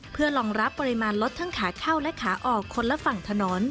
เพื่อรองรับปริมาณรถทั้งขาเข้าและขาออกคนละฝั่งถนน